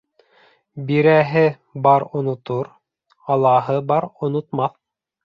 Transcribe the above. Бирәһе бар онотор, алаһы бар онотмаҫ.